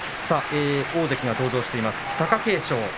大関が登場しています、貴景勝。